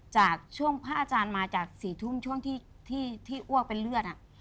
จากช่วงพระอาจารย์มาจาก๔ทุ่มช่วงที่อ้วกเป็นเลือด